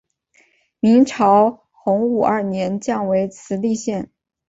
明朝洪武二年降为慈利县。